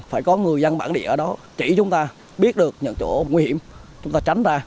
phải có người dân bản địa ở đó chỉ chúng ta biết được những chỗ nguy hiểm chúng ta tránh ra